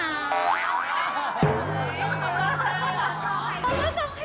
ยัร่าวว้างใจ